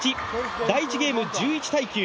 第１ゲーム、１１−９。